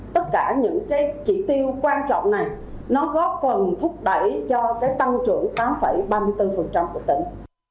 tất cả những chi tiêu quan trọng này nó góp phần thúc đẩy cho tăng trưởng tám ba mươi bốn của tỉnh